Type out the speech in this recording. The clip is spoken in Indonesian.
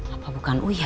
apa bukan uya